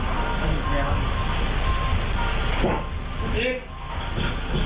มาถามหาเจ้าของบ้านนะครับ